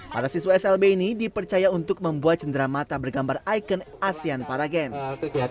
para siswa slb ini dipercaya untuk membuat cenderamata bergambar ikon asean para games